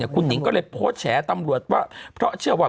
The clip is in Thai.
คุณหนิงก็เลยโพสต์แฉตำรวจว่าเพราะเชื่อว่า